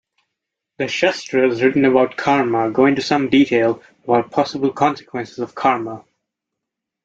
The shastras written about karma go into some detail about possible consequences of karma.